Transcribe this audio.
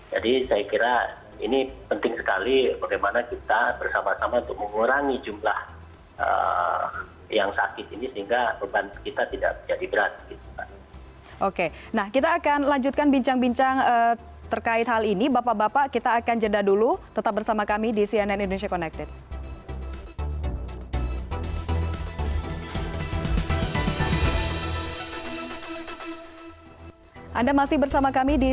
jadi saya kira ini penting sekali bagaimana kita bersama sama untuk mengurangi jumlah yang sakit ini